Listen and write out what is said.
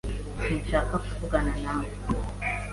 Sinshaka kuvugana nawe.